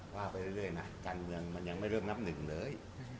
ว่าไปเรื่อยนะการเมืองมันยังไม่เริ่มนับหนึ่งเลย